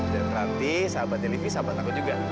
dan berarti sahabatnya livi sahabat aku juga